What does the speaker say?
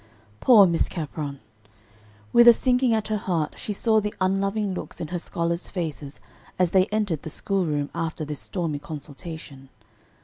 Poor Miss Capron! With a sinking at her heart she saw the unloving looks in her scholars' faces as they entered the schoolroom after this stormy consultation.